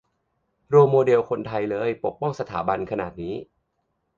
- โรลโมเดลคนไทยเลย ปกป้องสถาบันขนาดนี้